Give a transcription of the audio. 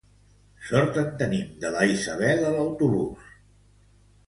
Sort en tenim de la Isabel a l'autobús!